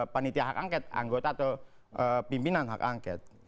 panitia hak angket anggota atau pimpinan hak angket